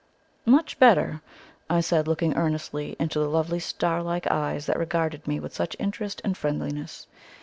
"Much better," I said, looking earnestly into the lovely star like eyes that regarded me with such interest and friendliness.